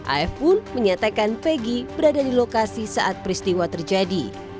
af pun menyatakan fegi berada di lokasi saat peristiwa terjadi